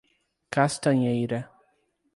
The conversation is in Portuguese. Castanheira